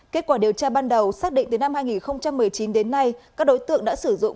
kết quả điều tra ban đầu xác định từ năm hai nghìn một mươi chín đến nay các đối tượng đã sử dụng